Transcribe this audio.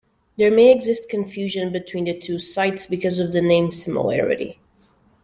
There may exist confusion between the two sites, because of the name similarity.